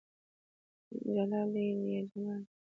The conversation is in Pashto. جلال دى يا جمال دى